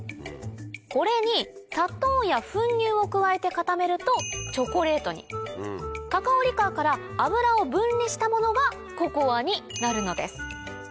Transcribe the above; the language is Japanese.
これに砂糖や粉乳を加えて固めるとチョコレートにカカオリカーから脂を分離したものがココアになるのです